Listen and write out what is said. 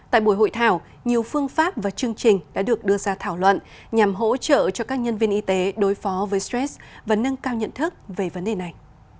tại buổi hội thảo nhiều phương pháp và chương trình đã được đưa ra thảo luận nhằm hỗ trợ cho các nhân viên y tế đối phó với stress và nâng cao nhận thức về vấn đề này